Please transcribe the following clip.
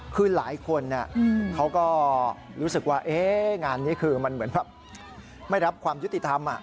คือหลายคนเขาก็รู้สึกว่างานนี้คือมันเหมือนแบบไม่รับความยุติธรรม